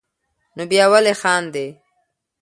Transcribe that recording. نو بیا ولې خاندې.